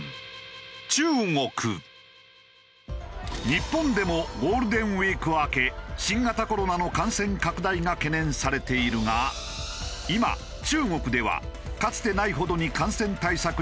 日本でもゴールデンウィーク明け新型コロナの感染拡大が懸念されているが今中国ではかつてないほどに感染対策に力を入れている。